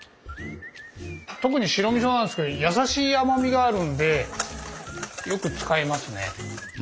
特に白みそなんですけどやさしい甘みがあるんでよく使いますね。